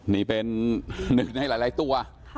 นี่เป็น๑ขึ้นให้หลายตัว